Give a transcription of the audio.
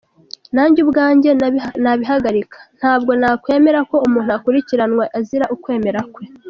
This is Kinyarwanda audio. Nanjye ubwanjye nabihagarika ntabwo nakwemera ko umuntu akurikiranwa azira ukwemera kwe.